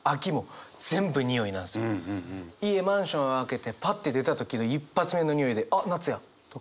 家マンション開けてパッて出た時の一発目のにおいであっ夏やとか。